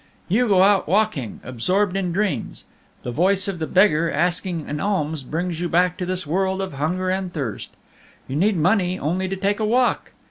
You go out walking, absorbed in dreams; the voice of the beggar asking an alms brings you back to this world of hunger and thirst. You need money only to take a walk.